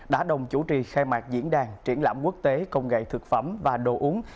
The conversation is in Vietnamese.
đã đồng chủ trì khai mạc diễn đàn triển lãm quốc tế công nghệ thực phẩm và đồ uống